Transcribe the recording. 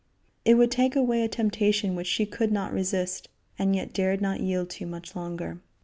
It would take away a temptation which she could not resist, and yet dared not yield to much longer.